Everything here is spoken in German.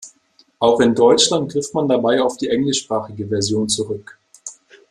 Auch in Deutschland griff man dabei auf die englischsprachige Version zurück.